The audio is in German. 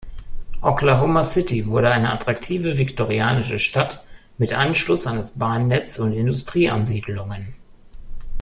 Oklahoma City wurde eine attraktive viktorianische Stadt mit Anschluss an das Bahnnetz und Industrieansiedlungen.